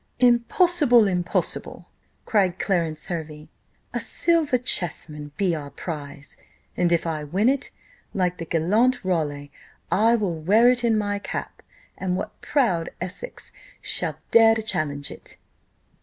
"Impossible! impossible!" cried Clarence Hervey: "a silver chess man be our prize; and if I win it, like the gallant Raleigh, I will wear it in my cap; and what proud Essex shall dare to challenge it?"